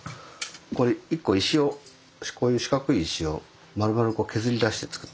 これ１個石をこういう四角い石をまるまる削り出して作ったやつで。